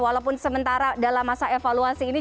walaupun sementara dalam masa evaluasi ini